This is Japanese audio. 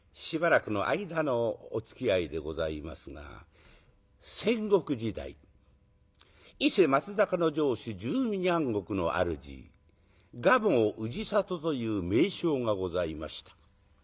しばらくの間のおつきあいでございますが戦国時代伊勢・松坂の城主１２万石の主蒲生氏郷という名将がございました。